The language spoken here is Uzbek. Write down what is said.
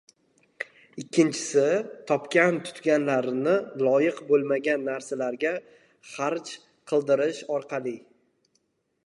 ikkinchisi — topgan-tutganlarini loyiq bo‘lmagan narsalarga harj qildirish orqali